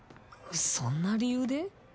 そんな理由で？